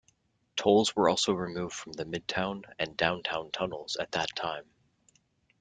Tolls were also removed from the Midtown and Downtown tunnels at that time.